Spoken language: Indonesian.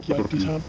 ya di sampah